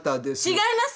違います！